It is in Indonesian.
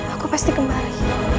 aku pasti kembali